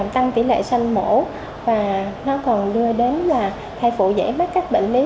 tỷ lệ sanh mổ và nó còn đưa đến là thai phụ dễ mất các bệnh lý